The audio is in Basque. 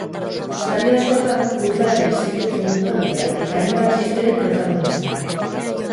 Sarri askotan burla eta iseken jomuga dira, eta hainbat txisteren protagonista.